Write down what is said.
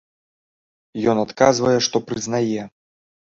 Ён адказвае, што прызнае.